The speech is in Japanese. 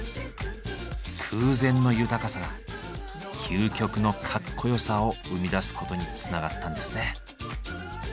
空前の豊かさが究極のかっこよさを生み出すことにつながったんですね。